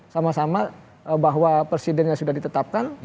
sama sama bahwa presidennya sudah ditetapkan